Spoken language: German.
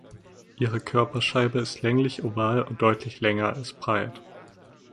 Ihre Körperscheibe ist länglich oval und deutlich länger als breit.